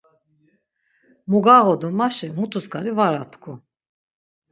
Mu gağodu, maşi mutuksani var atku.